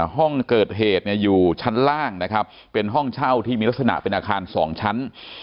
ห้องเกิดเหตุเนี่ยอยู่ชั้นล่างนะครับเป็นห้องเช่าที่มีลักษณะเป็นอาคาร๒ชั้น